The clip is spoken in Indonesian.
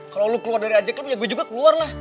kalau lo keluar dari ajak kan ya gue juga keluar lah